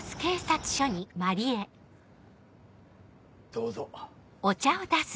どうぞ。